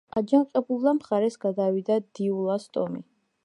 აჯანყებულთა მხარეს გადავიდა დიულას ტომი.